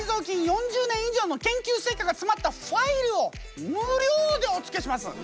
４０年以上の研究成果がつまったファイルを無料でおつけします！え？